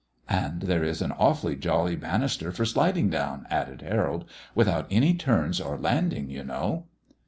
"And there is an awfully jolly banister for sliding down," added Harold, "without any turns or landing, you know."